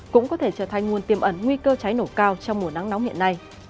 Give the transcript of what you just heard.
cũng có thể trở thành nguồn tiềm ẩn nguy cơ cháy nổ cao trong mùa nắng nóng hiện nay